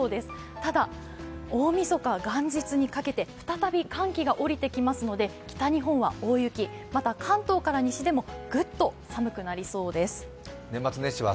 ただ、大みそか、元日にかけて再び寒気が降りてきますので、北日本は大雪、関東から西でもぐっと寒くなりそうです。